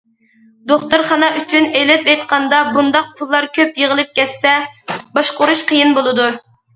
دوختۇرخانا ئۈچۈن ئېلىپ ئېيتقاندا، بۇنداق پۇللار كۆپ يىغىلىپ كەتسە، باشقۇرۇش قىيىن بولىدۇ.